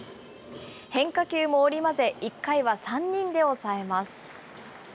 変化球も織り交ぜ、１回は３人で抑えます。